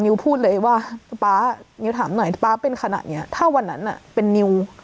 พูดเลยว่าป๊านิวถามหน่อยป๊าเป็นขนาดนี้ถ้าวันนั้นเป็นนิว